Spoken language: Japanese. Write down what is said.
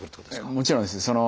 もちろんです。